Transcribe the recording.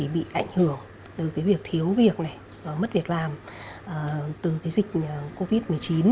bị ảnh hưởng từ việc thiếu việc này mất việc làm từ dịch covid một mươi chín